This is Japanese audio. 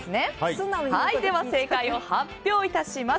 では正解を発表いたします。